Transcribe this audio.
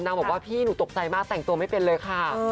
บอกว่าพี่หนูตกใจมากแต่งตัวไม่เป็นเลยค่ะ